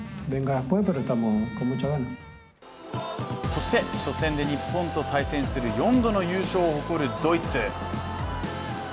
そして、初戦で日本と対戦する４度の優勝を誇るドイツ。